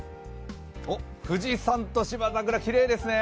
おっ富士山と芝桜きれいですね。